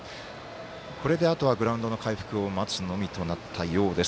これであとはグラウンド回復を待つのみとなったようです。